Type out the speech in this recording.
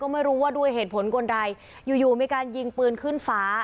ไม่รู้ว่าด้วยเหตุผลคนใดอยู่อยู่มีการยิงปืนขึ้นฟ้า